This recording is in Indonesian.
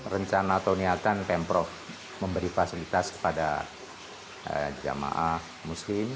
rencana atau niatan pemprov memberi fasilitas kepada jamaah muslim